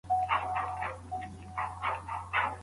ولې ځايي واردوونکي خوراکي توکي له هند څخه واردوي؟